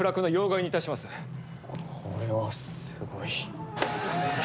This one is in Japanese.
これはすごい。